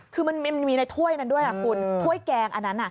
คือมันมีในถ้วยนั้นด้วยคุณถ้วยแกงอันนั้น